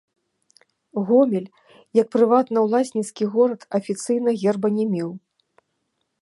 Гомель як прыватнаўласніцкі горад афіцыйна герба не меў.